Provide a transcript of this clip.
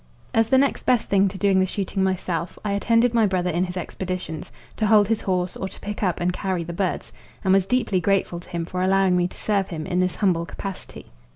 As the next best thing to doing the shooting myself, I attended my brother in his expeditions, to hold his horse or to pick up and carry the birds, and was deeply grateful to him for allowing me to serve him in this humble capacity.